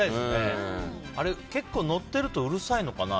あれ、結構乗ってるとうるさいのかな？